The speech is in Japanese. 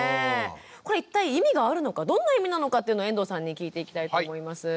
これ一体意味があるのかどんな意味なのかっていうのを遠藤さんに聞いていきたいと思います。